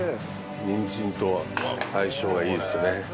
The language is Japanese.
にんじんと相性がいいですね。